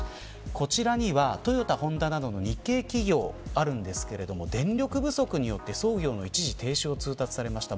こちらにはトヨタ・ホンダなどの日系企業あるんですけど電力不足によって、操業の一時停止を通達されました。